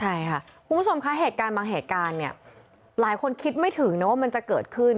ใช่ค่ะคุณผู้ชมคะบางเหตุการณ์หลายคนคิดไม่ถึงว่ามันจะเกิดขึ้น